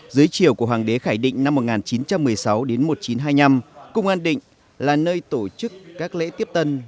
dưới chiều của hoàng đế khải định năm một nghìn chín trăm một mươi sáu đến một nghìn chín trăm hai mươi năm công an định là nơi tổ chức các lễ tiếp tân